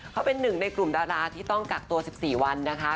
เขาเป็นหนึ่งในกลุ่มดาราที่ต้องกักตัว๑๔วันนะคะ